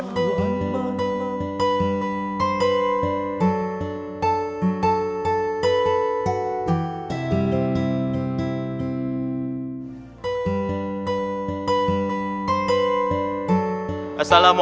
assalamualaikum warahmatullahi wabarakatuh